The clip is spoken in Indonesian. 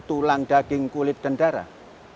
tulang daging kulit dan darah